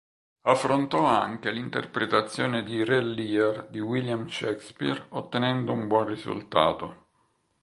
Affrontò anche l'interpretazione di "Re Lear" di William Shakespeare ottenendo un buon risultato.